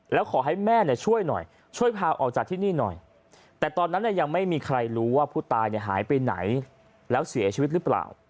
แล้วขอให้แม่ช่วยหน่อยช่วยพาออกจากที่นี่หน่อยแต่ตอนนั้นยังไม่มีใครรู้ว่าผู้ตายหายไปไหนแล้วเสียชีวิตหรือเปล่า